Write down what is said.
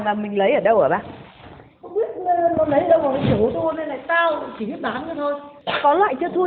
không biết nó lấy ở đâu con lấy ở chỗ thôi con lấy này tao chỉ biết bán thôi thôi